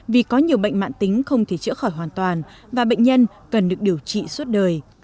vì có nhiều bệnh mạng tính không thể chữa khỏi hoàn toàn và bệnh nhân cần được điều trị suốt đời